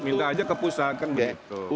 minta aja ke pusat kan begitu